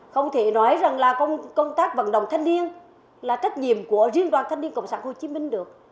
không thể nói rằng là công tác vận động thanh niên là trách nhiệm của riêng đoàn thanh niên cộng sản hồ chí minh được